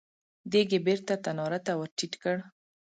دېګ يې بېرته تناره ته ور ټيټ کړ.